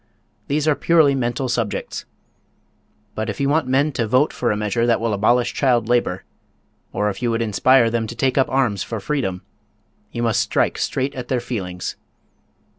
These are purely mental subjects. But if you want men to vote for a measure that will abolish child labor, or if you would inspire them to take up arms for freedom, you must strike straight at their feelings.